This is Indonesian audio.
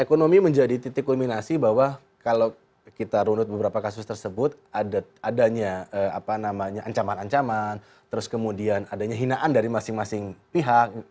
ekonomi menjadi titik kulminasi bahwa kalau kita runut beberapa kasus tersebut adanya ancaman ancaman terus kemudian adanya hinaan dari masing masing pihak